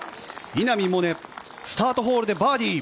稲見萌寧スタートホールでバーディー。